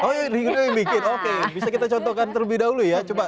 oh rido yang bikin oke bisa kita contohkan terlebih dahulu ya